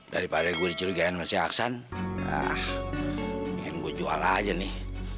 daripada gue dicurigai sama si aksan ingin gue jual aja nih